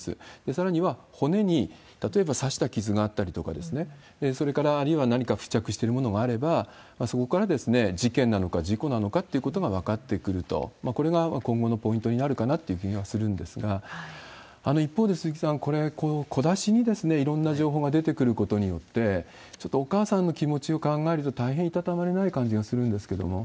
さらには、骨に例えば刺した傷があったりとか、それから、あるいは何か付着してるものがあれば、そこから事件なのか事故なのかっていうことが分かってくると、これが今後のポイントになるかなっていう気がするんですが、一方で、鈴木さん、これ、小出しにいろんな情報が出てくることによって、ちょっとお母さんの気持ちを考えると、大変いたたまれない感じがするんですけれども。